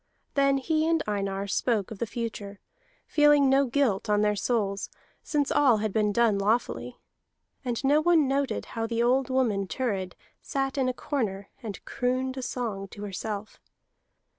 Then he and Einar spoke of the future, feeling no guilt on their souls, since all had been done lawfully. And no one noted how the old woman Thurid sat in a corner and crooned a song to herself.